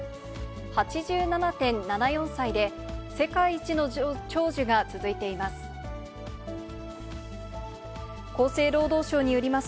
８７．７４歳で、世界一の長寿が続いています。